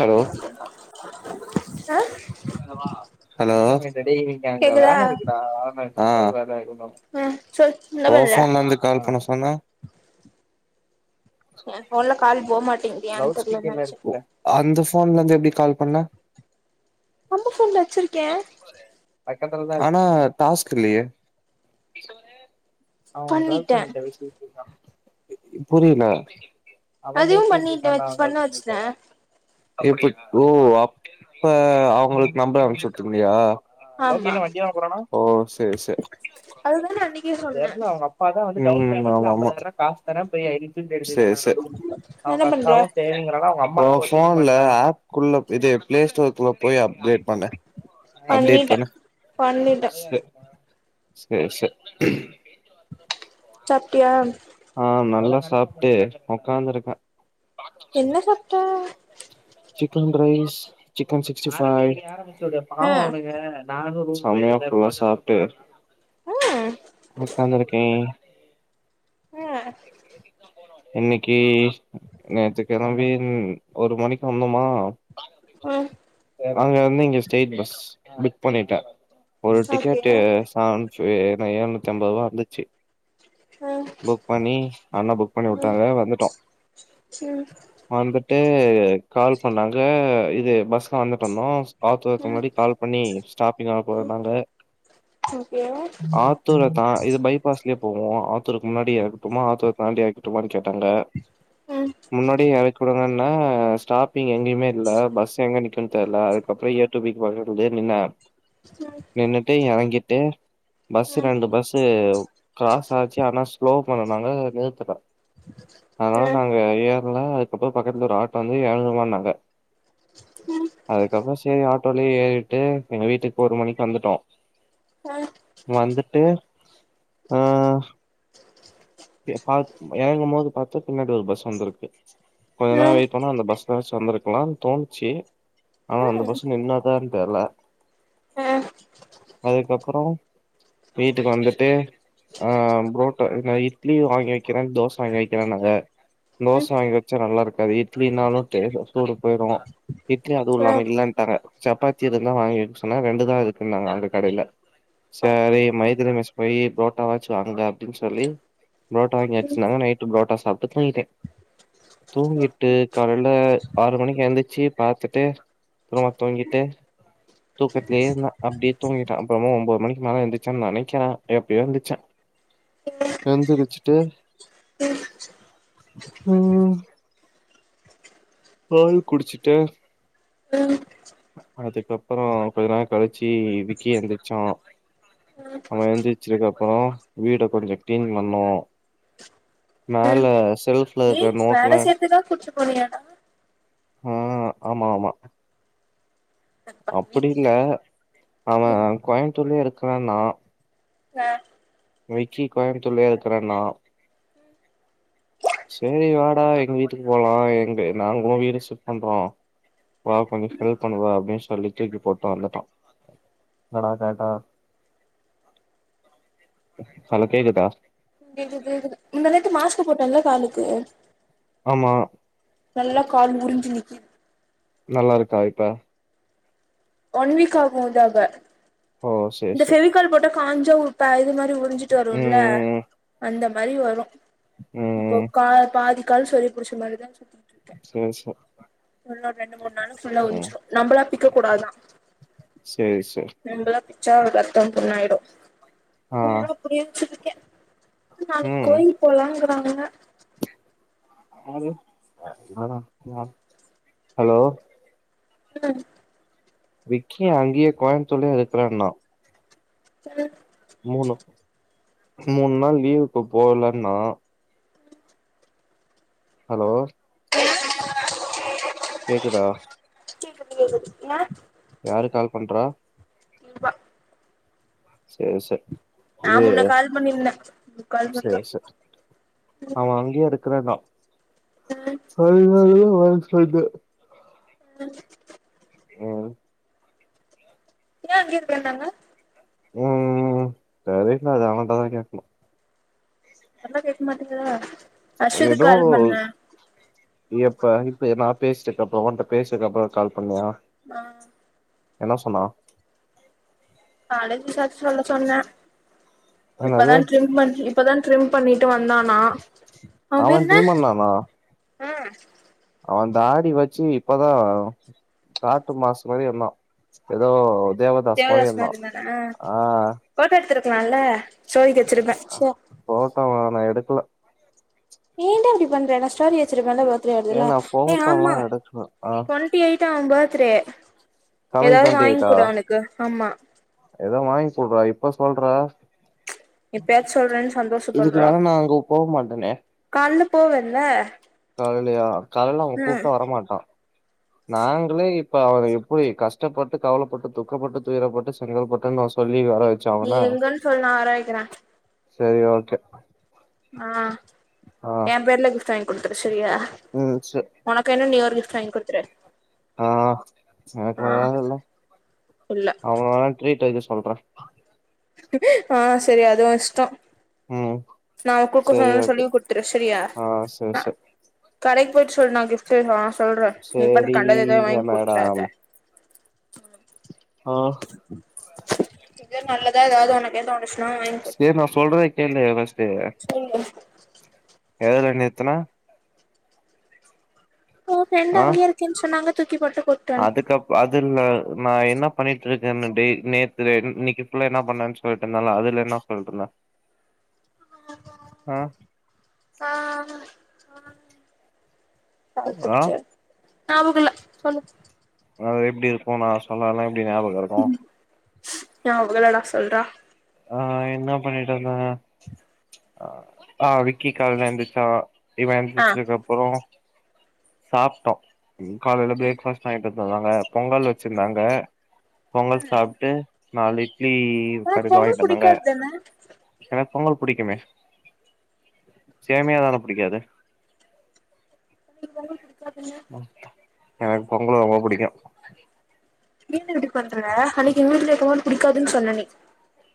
hello ஆ hello செரி இன்னிக்கி அங்க கேக்குதா வேல இருக்குடா ம் சொல் என்ன [unintelligible] ஓ பண்ற ஃபோன்ல இருந்து கால் பண்ண சொன்ன ஏ ஃபோன்ல கால் போ மாட்டேங் லவுட் ஸ்பீக்கர்ல இருக்குங்க அந்த ஃபோன்ல இருந்து எப்டி கால் பண்ண நம்ப ஃபோன்ல வச்சிருக்கே ஆனா டாஸ்க் இல்லயே அவங்க கால் பண்ணிட்டே பண்ணிட்ட விசக்கா புரியல அவ அதுவு பேசிட்டு பண்ணிட்ட அவ இருக்கான்டா கால் பண்ணிட்டு எப்ப ஓ அப்ப அவங்களுக்கு நம்பர் அனுப்சுட்டு இருந்தியா ஆமா ஓ செரி செரி அதுதா நா அன்னைக்கே சொன்னே அப்பா தா வந்து காசு தர போய் சேர் சேரி என்ன பண்ற ஓ போன்ல ஆப் குள்ள இது பிளே ஸ்டோருக்குள்ள போய் அப்டேட் பண்ணு பண்ணிட்ட பண்ணிட்ட சர் சேர் சேரி சாப்ட்டியா ஆ நல்லா சாப்ட்டு ஒக்காந்துருக்க என்ன சாப்ட chicken rice chicken sixty five பாவ ஆ அவனுங்க நானு ரூ செம்மையா ஃபுல்லா சாப்ட்டு ம் ஸ்காந்து இருக்கே அ இன்னைக்கி நேத்துக்கு நவீன் ஒரு மணிக்கு வந்தோமா ம் அங்கேர்ந்து இங்க ஸ்டெய்ட் பஸ் புக் பண்ணிட்ட ஒரு ஓகே டிக்கெட்டு அ அனுச்சி என் எழுநூத்தி அம்பது ரூவா வந்துச்சு ம் புக் பண்ணி அண்ண புக் பண்ணி ம் வுட்டாங்க வந்துட்டோ ம் வந்துட்டு கால் பண்ணாங்க இது பஸ்ல வந்துட்டு இருந்தோ ஆத்துக்கு வரதுக்கு ம் முன்னாடி கால் பண்ணி ஸ்டாப்பிங் ஆகப் போறோ ம் நாங்க ஓகே ஆத் ஆத்தூர் தா இது பைபாஸ்லே போகு ஆத்தூருக்கு முன்னாடி ஆ இறக்கட்டுமா ஆத்தூர் தன்னாடி இறக்கி விட்டுமான்னு கேட்டாங்க ம் ம் முன்னாடியே இறக்கி விடுங்கன்னா ஸ்டாப்பிங் எங்கேயுமே இல்ல பஸ் எங்க நிக் இருக்கன்னு தெரில அதுக்கப்புறோ இயர் டூ பி பக்கத்துல போய் நின்னே நின்னிட்டு இறங்கிட்டு பஸ்சு ம் ரெண்டு பஸ்சு கிராஸ் ஆச்சு ஆனா ஸ்லோ பண்ணுனாங்க நிறுத்தல அதனால அ நாங்க ஏற்ல அதுக்கப்புறோ பக்கத்துல ஒரு ஆட்டோ வந்து ஏழ்நூறு ரூபான்னாங்க ம் அதுக்கப்புறோ செரி ஆட்டோலயே ஏறிட்டு எங்க வீட்டுக்கு ஒரு மணிக்கு வந்துட்டோ ஆ வந்துட்டு ஆ பி பாத் இறங்கும் போது பாத்தா பின்னாடி ஒரு பஸ் வந்திருக்கு கொஞ்ச நேரம் ஏய் வெயிட் பண்ணா அந்த பஸ் பஸ் வந்துருகலானு தோணுச்சு ஆனா அந்த பஸ் நின்னாதான்னு தெர்ல அதுக்கப்புறோ வீட்டுக்கு வந்துட்டு ஆ புரோட்டோ இதுமாரி இட்லி வாங்கி வைக்கிறேன் தோச வாங்கி வைக்கிறேன் நாங்க தோச வாங்கி வச்சா நல்லா இருக்காது இட்லினாலு தெரியு சூடு போயிரு இட்லி அதுவு இல்லாம இல்லன்டாங்க சப்பாத்தி இருந்தா வாங்கி வைக்க சொன்னே ரெண்டுதா இருக்குன்னாங்க அந்த கடையில செரி மைதிலி மெஸ் போய் புரோட்டா வாச்சு வாங்கு அப்டின்னு சொல்லி புரோட்டா வாங்கி வச்சிந்தாங்க நைட்டு புரோட்டா சாப்ட்டு துங்கிட்டே தூங்கிட்டு காலையில ஆறு மணிக்கு எந்திச்சு பாத்துட்டு அப்புறமா தூங்கிட்டு தூக்கத்துலே இருந்தே அப்டியே தூங்கிட்டே அப்புறோமோ ஒன்பது மணிக்கு மேல எந்துருச்சேன்னு நெனைக்கிறே எப்டியோ எந்துருச்சே எந்திருச்சுட்டு ம் பால் குடிச்சுட்டு அதுக்கப்புறோ கொஞ்ச நேரோ கழிச்சு விக்கி எந்திரிச்சோ அவ எந்திரிச்சிருக்கு அப்புறோ வீட கொஞ்சோ கிளீன் பண்ணோ மேல செல்ப்ல இருக்க நோட்லா ஏதாது குடுத்துட்டு போனியா ம் ஆமா ஆமா அடப்பாவி அப்டி இல்ல அவ கோயம்புத்தூர்லயே இருக்கறே நா ஆ விக்கி கோயம்புத்தூர்லயே இருக்கறேன்னா செரி வாடா எங்க வீட்டுக்கு போகலா எங்க நாங்களு வீடு ஷிஃப்ட் பண்றோ வா கொஞ்சோ ஹெல் பண்ணுவா அப்டின்னு சொல்லி தூக்கி போட்டு வந்துட்டோ இல்லனா கேட்டா ஹலோ கேக்குதா கேக்குது கேக்குது முந்தாநேத்து மாஸ்க் போட்டேன்ல காலுக்கு ஆமா நல்லா கால் முரிஞ்சு நிக்கிது நல்லா இருக்கா இப்ப ஒன் வீக் ஆகு இதாக ஓ சேரி இந்த சேரி ஃபெவிகால் போட்ட காஞ்சோ உப்ப இது மாரி இது உரிஞ்சிட்டு வரும்ல ம் ம் அந்த மாரி வரு ம் இப்போ கா பாதி கால் சொரி புடிச்ச மாதிரிதா சுத்திட்டு சோ சோ இன்னு ரெண்டு மூணு நாளும் ஃபுல்லா உறிஞ்சிரு நம்பளா பிக்க கூடாதா சரி சரி நம்மளா பிச்சா ஒரு ரத்தோ புண்ணாயிடு ஆ [unintelligible] இருக்கே நாளைக்கு ம் கோயில் போலாங்கிறாங்க [unintelligible] ஹலோ ம் விக்கி அங்கேயே கோயம்பத்தூர்லயே இருக்கறண்ணா ச மூணு மூணு நாள் லீவுக்கு போலன்னா ஹலோ கேக்குதா கேக்குது கேக்குது யாரு கால் பண்றா [unintelligible] சேரி சேரி நா இது முன்ன கால் பண்ணிருந்த முக்கால் மட்டு அவ அங்கேயே இருக்கறதா [unintelligible] [unintelligible] ரவுண்ட்ஸ் [unintelligible] அஹ் ம் ஏ அங்க இருக்கேன்னாங்க ம் ம் தெரில அத அவன்டதா கேட்கணு அதுல்லா கேக்மாட்டிங்களா எதோ எப்ப இப்ப நா பேசிட்ட கப்றோ ஒன்ட்ட பேசன அப்றோ கால் பண்ணியா அ என்னா சொன்னா காலேஜ் விசாரிச்சி சொல்ல சொன்ன என்னது இப்பதா ட்ரிம் பண்ணி இப்பதா ட்ரிம் பண்ணிட்டு வந்தானா அவன் அதென்ன ட்ரிம் ஆ அவ தாடி வச்சி இப்பதா காட்டு மாசு மாரி இருந்தா எதோ தேவதாஸ் மாரி இருந்தா அ ஃபோட்டோ எடுத்திருக்கலால ஸ்டோரிக்கு வச்சிருப்ப போ ஃபோட்டாவா நா எடுக்கல ஏன்டா இப்டி பண்ற நா ஸ்டோரி வச்சிருப்பல பர்த்டே ஏ வருதுல நா ஏ போட்டோல்லா ஆமா எடுக்கல ஆ டொன் டிஎய்ட்தா அவ பர்த்டே கமிங் எதாது வாங்கி குடு அவனுக்கு ஆமா எதோ வாங்கி குட்றா இப்ப சொல்ற எப்பயாச்சு சொல்றேன்னு சந்தோஷப்பட்றா இதுக்குமேல நா அங்க போ மாட்டனே கால்ல போவல்ல காலையிலயா கால்ல அவ ம் கூப்ட்டா வரமாட்டா நாங்களே இப்ப அவன எப்டி கஷ்டப்பட்டு கவலப்பட்டு துக்கப்பட்டு துயரப்பட்டு [unintelligible] நா சொல்லி வேர நீ எங்கன் சொல் நான் வரவைக்கறேன் சேரி ஓகே ஆ ஆ என் பேர்ல கிஃப்ட் வாங்கி குடுத்துரு செரியா ம் ஜ ஒனக்க என்ன நீ ஒரு கிஃப்ட் வாங் ஆ ஆ எனக்குலா இல்ல இல்ல அவா ப்ரே டைம்ல சொல்ற ஆ செரி அது ஒஸ்டோ ம் நா குடுக்க சரி சொன்னன்னனு ஓகே சொல்லி குடுத்துரு சரியா ஆ சரி சரி கடைக்கி போயிட்டு சொல்லு நா கிஃப்ட் நா சொல்ற நீ பாட்டுக்கு கண்டத எத சரிங்க வாங்கி மேடம் குடுத்துறாத ஆ எது நல்லதா எதாது ஒகேட்டா வாங்க சொ செரி நா சொல்றத கேலு ஃபஸ்ட்டு சொல்லு வளையல் வந்து எத்ன ஓ பிரெண்ட அங்கேயே இருக்கன் சொன்னாங்க தூக்கி போட்டு வன்ட்ட அதுகப் அதுல நா என்ன பண்ணிட்டு இருக்க டேய் நேத்து இன்னக்கு ஃபுள்ளா என்ன பண்ணேன்னு சொல்லிட் இருந்தல அதுல என்ன சொல்லுட்டுருந்தா ஆ ஆ ஆ வாழ்த்துக்கள் நம்புல சொல்லு அது எப்டி இருக்கோ நா சொன்னாலா எப்டி ஞாபக இருக்கோ யா அவ்லோட சொல்றா ஆ என்ன பண்ணிட்டு இருந்தாங்க ஆ விக்கி காலைல எந்திரிச்சா இவ ஆ எழுந்திருச்சிக்கு அப்பரோ சாப்ட்டோ ம் காலையில பிரேக்ஃபாஸ்ட் வாய்ட்டு தந்தாங்க பொங்கல் வச்சிருந்தாங்க பொங்கல் சாப்ட்டு நாலு இட்லி உனக்கு கடயில பொங்கல் வாயிட்டு வந்தாங்க புடிக்காது தான எனகு பொங்கல் புடிக்குமே சேமியா தான புடிக்காது பொங்கல் புடிக் எனக் பொங்கல் ரொம்ப புடிக்கு வீண்டு இப்டி பண்ற அன்னைக்கு வீட்டுல இருக்கும் போது பிடிக்காதுன் சொன்ன நீ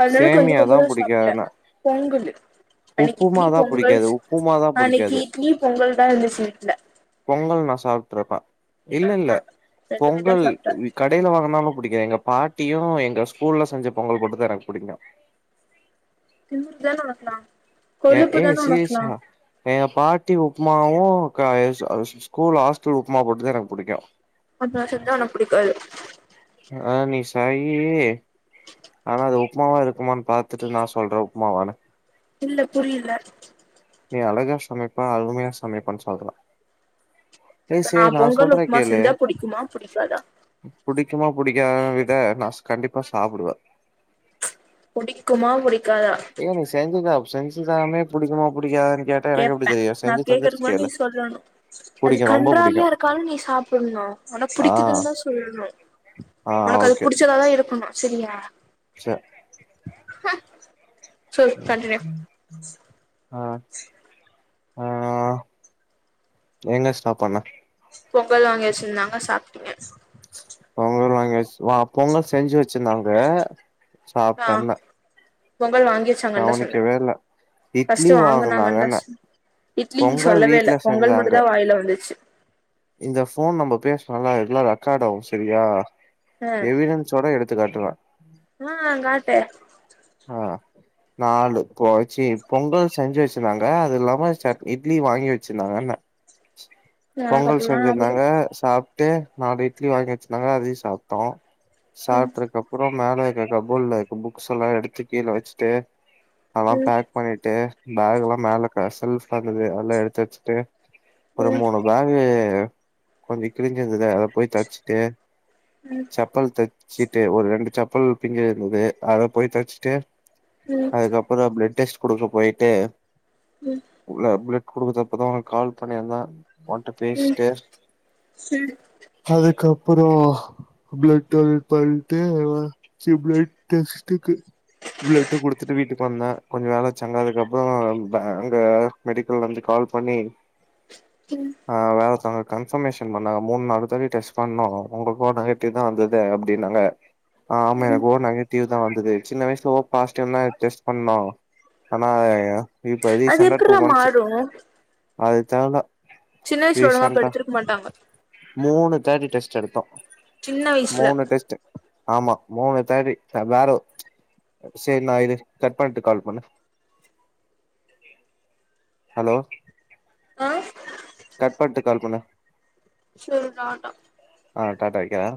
அதனால கொஞ்சோ சேமியா கொஞ்சோ தா புடிக்காது சாப்ட்ட ஆனா பொங்கலு அன்னிக்கு உப்புமா இட்லி தா பொங்கல் புடிக்காது உப்புமா தா அன்னிக்கு புடிக்காது இட்லி பொங்கல் தா இருந்துச்சு வீட்ல பொங்கல் நா சாப்ட்ருப்ப இல்ல இல்ல ஆஹா ரெண்டுமே தா பொங்கல் சாப்ட்ட கட் கடையில வாங்கனால புடிக்காது எங்க பாட்டியும் எங்க ஸ்கூல்ல செஞ்ச பொங்கல் போட்டது எனக்கு புடிக்கும் திமுறு தான ஒனக்லாம் கொழுப்பு தான ஒனக்கலாம் என்க பாட்டி உப்மாவும் க ஸ்கூல்ல ஹாஸ்டல் உப்மா போட்டுதா எனக்கு புடிக்கும் மதங்க செஞ்சா ஒனக்கு புடிக்காது ஆ நீ சய்யி ஆனா அது உப்மாவா இருக்குமானு பாத்துட்டு நா சொல்ற உப்மாவானு இல்ல புரியல நீ அழகா சமைப்ப அழுமையா சமைப்பது சொல்ற இப்ப நா பொங்கல் சொல்றே உப்மா கேளு செஞ்சா புடிக்குமா புடிக்காதா புடிக்குமா புடிக்காத விட நாஸ் கண்டிப்பா சாப்புடுவ புடிக்குமா புடிக்காதா ஏ நீ செஞ்சுதா செஞ்சுதராமே புடிக்குமா புடிக்காதான் கே கேப்ப நா கேக்கறு முனா நீ சொல்லணு அது புடிக்கு ரொம்ப கன்றாவியா புடிக்கு இருக்காலு நீ சாப்புண்ணு ஒனக் ஆ புடிக்குதுன்தா சொல்ணு ஆ ஒனக் அது புடிச்சதாதா இருக்கனு செரியா செ ஹ ம் ம் அ ஆ எங்க ஸ்டாப் பண்ண பொங்கல் வாங்கி வச்சிர்ந்தாங்க சாப்ட்டீங்க அவ்ங்க வேற வாங்கி வஸ்ருவா பொங்கல் செஞ்சு வச்சிர்ந்தாங்க ஆ பொங்கல் வாங்கி ச்சாங்கன்தா சொன்ன கவனிக்கவே இல்ல இட்லி பஸ்ட்டு வாங்குனாங்கன்ன வாங்குனாங்கன்தாஸ் இட்லீனு பொங்கல் சொல்லவே இல்ல வீட்ல பொங்கல் செஞ்சாங்க மட்டுதா வாய்ல வந்துச்சு இந்த ஃபோன் நம்போ பேஸ்ரோல அது ஃபுல்லா ரெக்காடாகு செரியா ஆ எவிடன் ஸோட எடுத்துகாட்டுவ ஆ காட்டு ஆ நாலு போ ச்சி பொங்கல் செஞ்சு வச்சிர்ந்தாங்க அது இல்லாம சட் இட்லி வாங்கி வச்சிர்ந்தாங்கன்ன எனக்கு பொங்கல் அப்புல்லா ஞாபகோ செஞ்சிர்ந்தாங்க சாப் ட்டு நாலு இட்லி வாங்கி வச்சிர்ந்தாங்க அதையு சாப்ட்டோ ம் சாப்ட்டதுக்கப் புறோ மேல இருக்ற கபோட்லா இருக்கு புக்ஸெல்லா எடுத்து கீழ வச்சுட்டு அதல்லா ம் பேக் பண்ணிட்டு பேகுலா மேல இருக்ற செல்ப் ட்ராக்லது அதல்லா எடுத்து வச்சுட்டு ஒரு ம் மூணு பேகு கொஞ்சோ கிழிஞ்சிருந்தத அத போய் தச்ட்டு ம் ம் ம் சப் பல் தச்சுட்டு ஒரு ரெண்டு சப்பல் பிஞ்சிருந்தது அத போய் தச்ட்டு அதுக்கப் புறோ பிளட் டெஸ்ட் குடுக்க போய்ட்டு ம்ம உள்ள பிளட் குடுக்குதப்பதா கால் பண்ணிர்ந்த ஒன்ட்ட ம் ம் பேஸ்ட்டே அதுக்கப்புறோ பிளட் டொல் டொல்த்து அதா சி பிளட் டெஸ்ட்டுக்கு பிளட்டு குடுத்துட்டு வீட்டுக் வந்த கொஞ்ச நாளா சென்னதுக்கப்புறோ பா அங்க மெடிக்கல்ல இர்ந்து கால் பண்ணி என்ன ஆ் வேல் அங்க கன்ஃபர்மேஷன் பண்ணாங்க மூன் நாளுதாட்டி டெஸ் பண்ணோ உங்ளுக்கூ நெகட்டிவ்தா வந்தது அப்டின்னாங்க ஆ ஆமா ம் ஓ நெகட்டிவ்தா வந்தது சின்ன வய்ஸ் ஓ பாசிட்வ்ன்தா டெஸ்ட் பண்ணோ ஆனா இப்ப அது ரீசன்ட்டா டூ எப்புட்றா மந்த்ஸு மாறு அதுதெர்ல சின்ன வயசுல ஒழுங்கா ரீசென்ட்டா படுத்திருக்க மாட்டாங்க மூனு தாட்டி டெஸ்ட் எடுத்தோ சின்ன வயசுல மூனு டெஸ்ட்டு ஆமா மூணு தாட்டி அபாரோ சேர் நா இது கட் பண்ட்டு கால் பண்ணு ஹலோ ஆ கட் பண்ட்டு கால் பண்ணு சேரி டாட்டா ஆ டாட்டா வெக்கறே